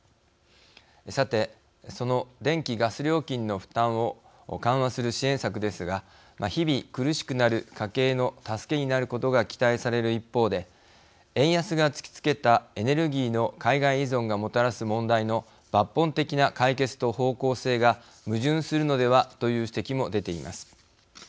さてその電気・ガス料金の負担を緩和する支援策ですが日々、苦しくなる家計の助けになることが期待される一方で円安が突きつけたエネルギーの海外依存がもたらす問題の抜本的な解決と方向性が矛盾するのではという指摘も出ています。